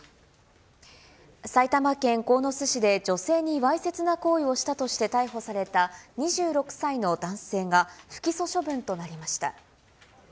埼玉県鴻巣市で女性にわいせつな行為をしたとして逮捕された２６歳の男性が不起訴処分となりました。